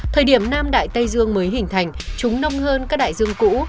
thời điểm nam đại tây dương mới hình thành chúng nông hơn các đại dương cũ